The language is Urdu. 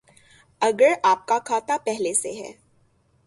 اگر آپ کا کھاتہ پہلے سے ہے